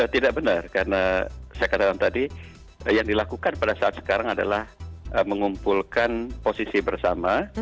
tidak benar karena saya katakan tadi yang dilakukan pada saat sekarang adalah mengumpulkan posisi bersama